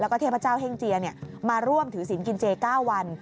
แล้วก็เทพเจ้าเฮ่งเจียมาร่วมถือศิลปกินเจ๙วัน